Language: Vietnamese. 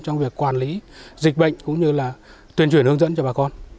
trong việc quản lý dịch bệnh cũng như là tuyển chuyển hướng dẫn cho bà con